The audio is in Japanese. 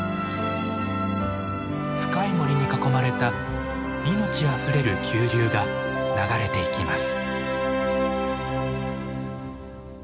深い森に囲まれた命あふれる急流が流れていきます。